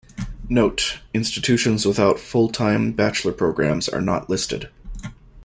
Note: Institutions without full-time bachelor programs are not listed.